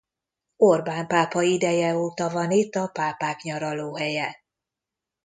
Orbán pápa ideje óta van itt a pápák nyaralóhelye.